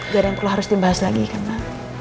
gak ada yang perlu harus dibahas lagi kan ma